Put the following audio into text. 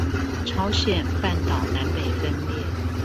朝鮮半島南北分裂